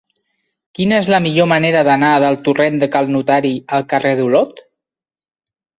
Quina és la millor manera d'anar del torrent de Cal Notari al carrer d'Olot?